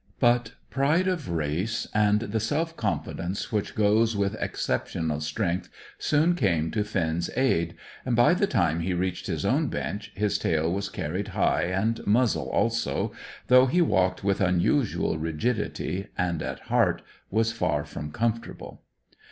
But pride of race, and the self confidence which goes with exceptional strength, soon came to Finn's aid, and by the time he reached his own bench, his tail was carried high and muzzle also, though he walked with unusual rigidity, and at heart was far from comfortable.